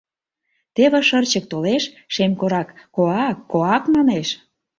Теве шырчык толеш, шемкорак «коак-коак»! манеш.